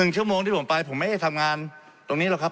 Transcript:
ชั่วโมงที่ผมไปผมไม่ได้ทำงานตรงนี้หรอกครับ